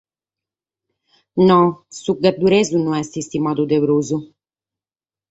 No, su gadduresu no est istimadu de prus.